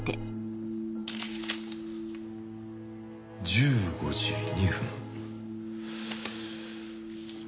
１５時２分。